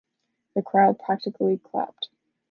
The crowd practically clapped!